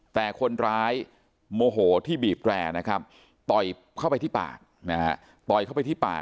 แต่คนร้ายโมโหที่บีบแรร์ต่อยเข้าไปที่ปาก